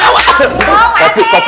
wah ya ampun pak d